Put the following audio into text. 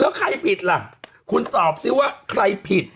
แล้วใครผิดล่ะคุณตอบสิว่าใครผิด